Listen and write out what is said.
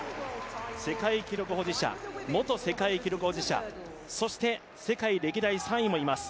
世界記録保持者、元世界記録保持者、そして、世界歴代３位もいます。